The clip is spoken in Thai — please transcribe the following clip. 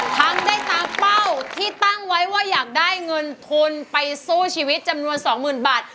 ทำได้ตามเป้าที่ตั้งไว้ว่าอยากได้เงินทุนไปสู้ชีวิตจำนวนสองหมื่นบาท